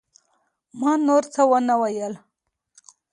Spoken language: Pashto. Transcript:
ما نور څه ونه ويل.